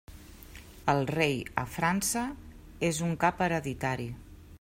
El rei, a França, és un cap hereditari.